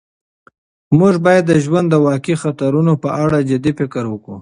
موږ باید د ژوند د واقعي خطرونو په اړه جدي فکر وکړو.